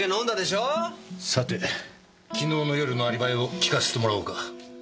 さて昨日の夜のアリバイを聞かせてもらおうか。